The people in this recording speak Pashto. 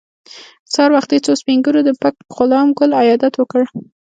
سهار وختي څو سپین ږیرو د پک غلام ګل عیادت وکړ.